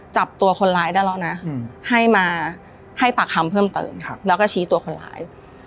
จับตัวคนร้ายได้แล้วนะให้มาให้ปากคำเพิ่มเติมแล้วก็ชี้ตัวคนร้าย